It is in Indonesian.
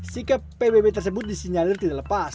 sikap pbb tersebut disinyalir tidak lepas